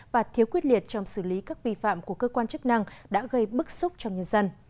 và thiếu quyết liệt trong xử lý các vi phạm của cơ quan chức năng đã gây bức xúc trong nhân dân